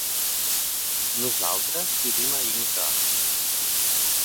Nosaltres vivim a Inca.